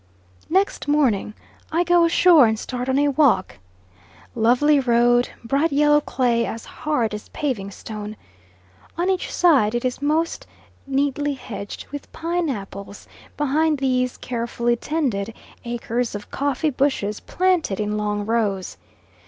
Next morning I go ashore and start on a walk. Lovely road, bright yellow clay, as hard as paving stone. On each side it is most neatly hedged with pine apples; behind these, carefully tended, acres of coffee bushes planted in long rows.